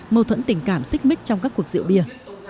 mâu thuẫn tình cảm xích mít trong các cuộc rượu bia